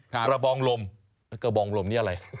กระบองลมกระบองลมนี้อะไร